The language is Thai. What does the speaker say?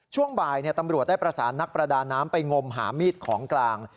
ช่วงบ่ายตำรวจได้ประสานนักประดาน้ำไปงมหามีดของกลาง